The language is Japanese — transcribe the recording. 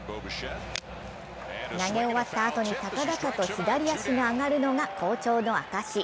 投げ終わったあとに高々と左足が上がるのが好調の証し。